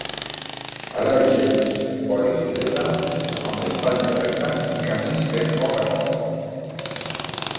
Ara aixequi's, posi's dreta, amb l'espatlla recta i camini ben a poc a poc.